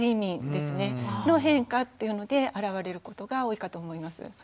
の変化っていうのであらわれることが多いかと思います。